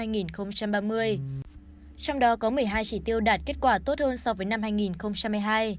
trong đó có một mươi hai chỉ tiêu đạt kết quả tốt hơn so với năm hai nghìn một mươi hai